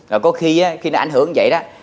rồi có khi khi nó ảnh hưởng như vậy đó